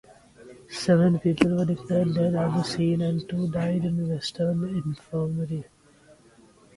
Seven people were declared dead at the scene, and two died in Western Infirmary.